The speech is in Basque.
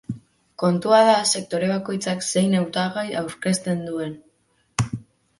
Kontua da sektore bakoitzak zein hautagai aurkezten duen.